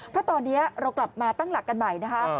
เพราะตอนนี้เรากลับมาตั้งหลักกันใหม่นะคะ